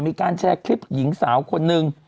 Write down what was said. มีการแชร์คลิปหญิงสาวคนหนึ่ง